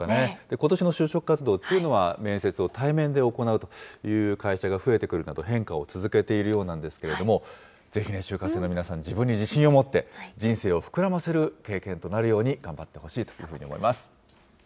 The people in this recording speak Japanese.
ことしの就職活動というのは、面接を対面で行うという会社が増えてくるなど、変化を続けているようなんですけれども、ぜひね、就活の皆さん、自分に自信を持って、人生を膨らませる経験となるように、頑張ってほしいというふうに思います。